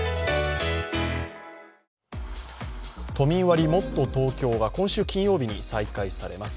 都民割、もっとＴｏｋｙｏが今週金曜日に再開されます。